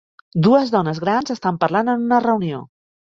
Dues dones grans estan parlant en una reunió.